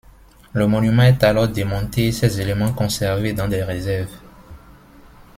Le monument est alors démonté et ses éléments conservés dans des réserves.